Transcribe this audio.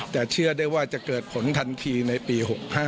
แต่เชื่อได้ว่าจะเกิดผลทันทีในปี๖๕